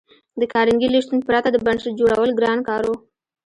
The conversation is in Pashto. د کارنګي له شتون پرته د بنسټ جوړول ګران کار و